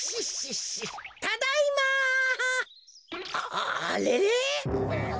ああれっ？